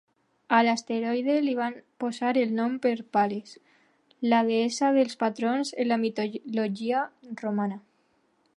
A l'asteroide li van posar el nom per Pales, la deessa dels pastors en la mitologia romana.